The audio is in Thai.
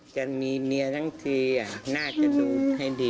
จะมีเมียทั้งทีน่าจะดูให้ดี